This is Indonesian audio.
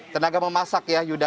tenaga memasak ya yuda